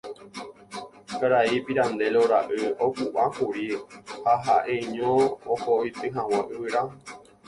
Karai Pirandello ra'y opu'ãkuri ha ha'eño oho oity hag̃ua yvyra.